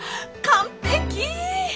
完璧！